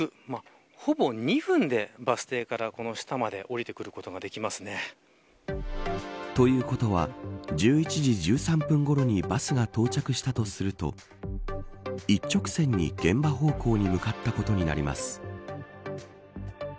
ほぼ２分でバス停からこの下まで降りてくることができますね。ということは１１時１３分ごろにバスが到着したとすると一直線に現場方向に向かったことになります。